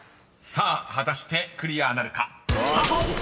［さあ果たしてクリアなるか？スタート！］